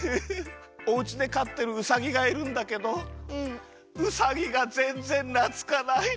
おうちでかってるウサギがいるんだけどウサギがぜんぜんなつかないの。